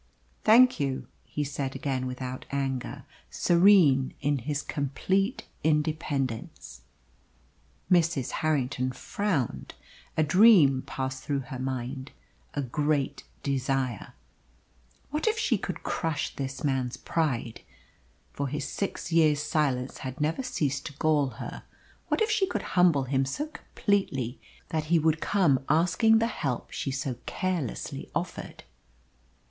"Thank you," he said again without anger, serene in his complete independence. Mrs. Harrington frowned. A dream passed through her mind a great desire. What if she could crush this man's pride? For his six years' silence had never ceased to gall her. What if she could humble him so completely that he would come asking the help she so carelessly offered?